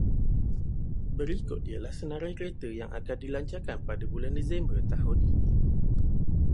Berikut ialah senarai kereta yang akan dilancar pada bulan Disember tahun ini.